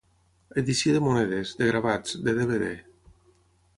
Edició de monedes, de gravats, de DVD.